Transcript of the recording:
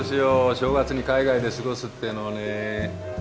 正月に海外で過ごすっていうのをね。